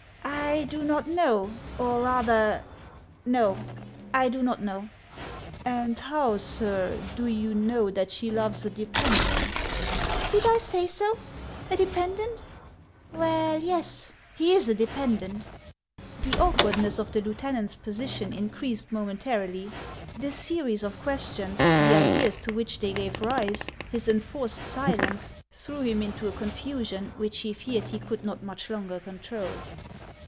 " I do not know ; or rather — no, I do not know." "And how, sir, do you know that she loves a dependent ?"" Did I say so ? A dependent ?— well, yes ; he is a dependent." 120 HANS OF ICELAND. The awkwardness of the lieutenant's position increased momentarily. This series of questions, the ideas to which they gave rise, his enforced silence, threw him into a confusion which he feared he could not much longer control.